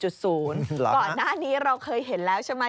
ก่อนหน้านี้เราเคยเห็นแล้วใช่ไหม